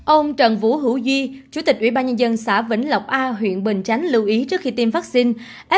ông trần vũ hữu di chủ tịch ủy ban nhân dân xã vĩnh lộc a huyện bình chánh lưu ý trước khi tiêm vaccine